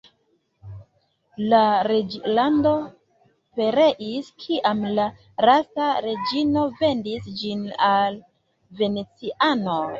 La reĝlando pereis, kiam la lasta reĝino vendis ĝin al venecianoj.